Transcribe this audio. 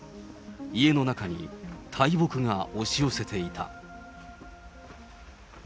家の中に大木が押し寄せていた。